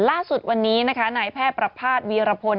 ล่าสุดวันนี้นะคะนายแพทย์ประภาษณวีรพล